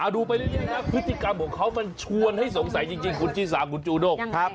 ดูไปเรื่อยนะพฤติกรรมของเขามันชวนให้สงสัยจริงคุณชิสาคุณจูด้ง